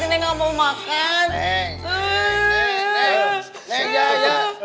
neng neng neng neng ya ya